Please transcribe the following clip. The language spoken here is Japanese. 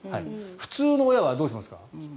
普通の親はどうしますか？